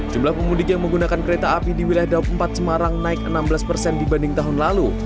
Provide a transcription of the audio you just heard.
jumlah pemudik yang menggunakan kereta api di wilayah daup empat semarang naik enam belas persen dibanding tahun lalu